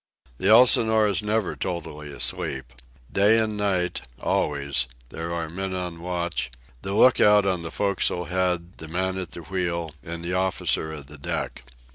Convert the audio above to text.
The Elsinore is never totally asleep. Day and night, always, there are the men on watch, the look out on the forecastle head, the man at the wheel, and the officer of the deck.